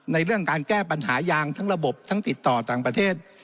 ในเรื่องการแก้ปัญหายางทั้งระบบทั้งติดต่อต่างประเทศ